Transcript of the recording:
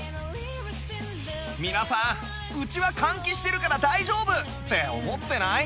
皆さん「うちは換気してるから大丈夫」って思ってない？